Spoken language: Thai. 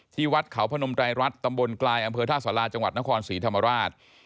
วัดเขาพนมไตรรัฐตำบลกลายอำเภอท่าสาราจังหวัดนครศรีธรรมราช